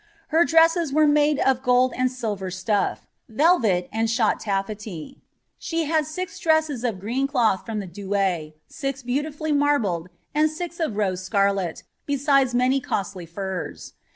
Her dresses were made of silver stuff, velvet, and shot tafiety. She had six dresses of th from the Douay, six beautifully marbled, and six of rose isides many costly furs.